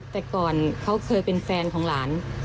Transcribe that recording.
แต่ก่อนเขาเคยเป็นแฟนของหลาน